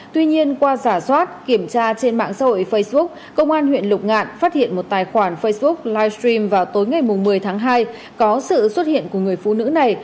tuy nhiên qua giả soát kiểm tra trên mạng xã hội facebook công an huyện lục ngạn phát hiện một tài khoản facebook livestream vào tối ngày một mươi tháng hai có sự xuất hiện của người phụ nữ này